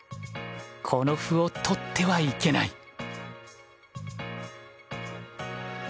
この歩を取ってはいけない。